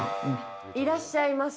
いらっしゃいませ。